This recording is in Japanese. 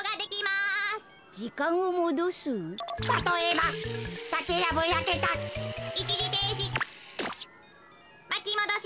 まきもどし。